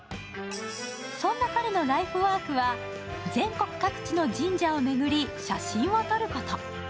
そんな彼のライフワークは、全国各地の神社を巡り、写真を撮ること。